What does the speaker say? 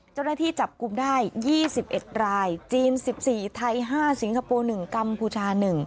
เจ้าหน้าที่จับกลุ่มได้๒๑รายจีน๑๔ไทย๕สิงคโปร์๑กัมพูชา๑